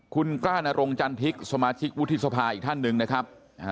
คุณกล้านรงจันทิกสมาชิกวุฒิสภาอีกท่านหนึ่งนะครับ